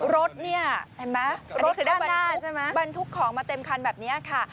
รถเนี่ยบรรทุกของมาเต็มคันแบบนี้ค่ะ